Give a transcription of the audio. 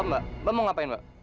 mbak mbak mau ngapain mbak